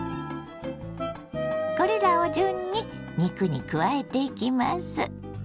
これらを順に肉に加えていきます。